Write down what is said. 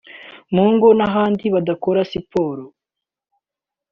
mu ngo n’ahandi badakora siporo